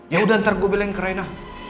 yaudah ntar gue bilang ke raina